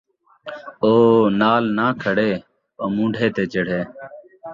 او نال ناں کھڑے، او مونڈھے تے چڑھے